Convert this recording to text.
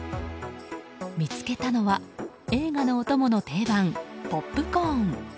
見つけたのは映画のお供の定番、ポップコーン。